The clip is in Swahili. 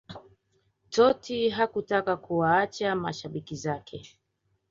Totti hakutaka kuwaacha mashabiki zake